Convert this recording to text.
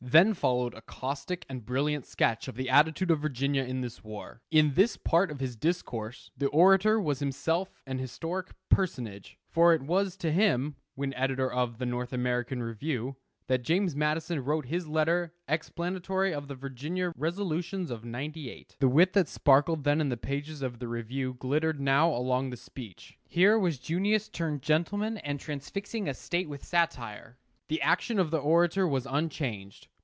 Then followed a caustic and brilliant sketch of the attitude of Virginia in this war. In this part of his discourse the orator was himself an historic personage; for it was to him, when editor of the North American Review, that James Madison wrote his letter explanatory of the Virginia resolutions of '98. The wit that sparkled then in the pages of the Review glittered now along the speech. Here was Junius turned gentleman and transfixing a State with satire. The action of the orator was unchanged.